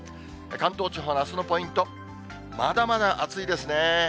関東地方のあすのポイント、まだまだ暑いですね。